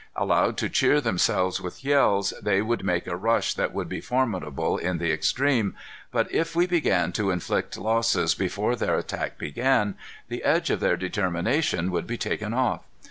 Allowed to cheer themselves with yells, they would make a rush that would be formidable in the extreme, but if we began to inflict losses before their attack began, the edge of their determination would be taken off.